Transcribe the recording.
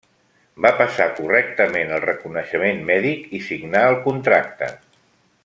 Va passar correctament el reconeixement mèdic i signà el contracte.